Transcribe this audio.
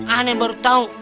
anak baru tau